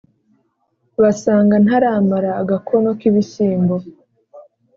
basanga ntaramara agakono k’ibishyimbo,